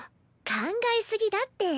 考え過ぎだって。